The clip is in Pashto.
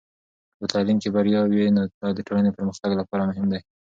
که په تعلیم کې بریا وي، نو دا د ټولنې پرمختګ لپاره مهم دی.